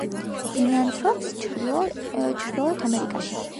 ბინადრობს ჩრდილოეთ ამერიკაში.